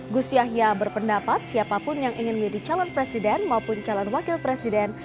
gus yahya berpendapat siapapun yang ingin menjadi calon presiden maupun calon wakil presiden